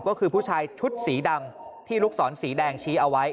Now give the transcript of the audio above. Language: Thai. ก็คือผู้ชายชุดสีดำที่ลูกศรสีแดงชี้เอาไว้